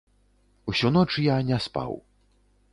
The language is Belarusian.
Усю ноч я не спаў.